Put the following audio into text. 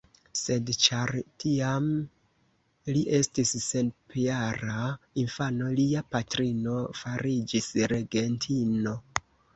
Sed ĉar tiam li estis sepjara infano, lia patrino fariĝis regentino.